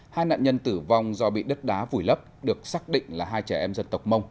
hai nạn nhân tử vong do bị đất đá vùi lấp được xác định là hai trẻ em dân tộc mông